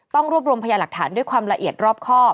ต้องรวบรวมพยาหลักฐานด้วยความละเอียดรอบครอบ